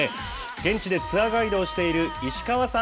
現地でツアーガイドをしている石川さん。